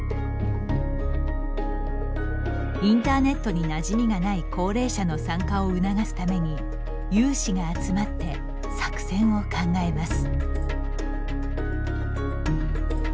インターネットになじみがない高齢者の参加を促すために有志が集まって作戦を考えます。